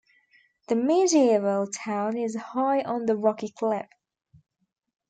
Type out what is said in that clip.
The medieval town is high on the rocky cliff.